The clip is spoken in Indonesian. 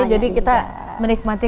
jadi kita menikmati